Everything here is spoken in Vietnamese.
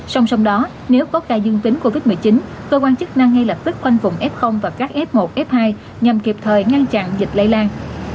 song song đó nếu có ca dương tính covid một mươi chín cơ quan chức năng ngay lập tức khoanh vùng f và các f một f hai nhằm kịp thời ngăn chặn dịch lây lan